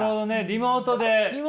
リモート。